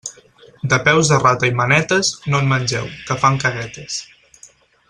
De peus de rata i manetes, no en mengeu, que fan caguetes.